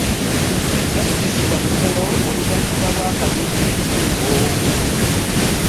Gaddizibwa Bunyoro oluvannyuma lw'akalulu k'ekikungo